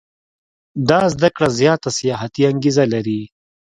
دا زده کړه زیاته سیاحتي انګېزه لري.